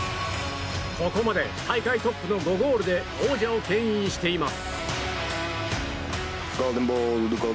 ここまで大会トップタイの５ゴールで王者を牽引しています。